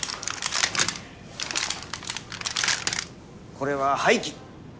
これは廃棄。